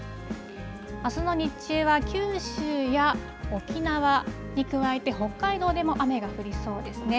あすの日中は九州や沖縄に加えて、北海道でも雨が降りそうですね。